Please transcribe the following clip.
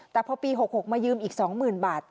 แต่พอปี๖๖มายืมอีก๒๐๐๐บาท